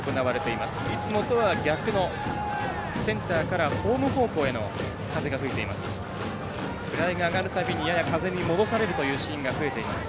いつもとは逆のセンターからホーム方向への風が吹いています。